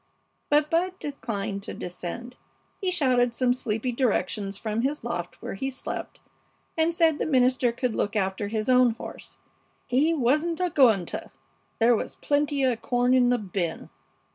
But Bud declined to descend. He shouted some sleepy directions from his loft where he slept, and said the minister could look after his own horse, he "wasn'ta gonta!" There was "plentya corn in the bin."